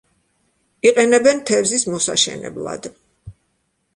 იყენებენ თევზის მოსაშენებლად.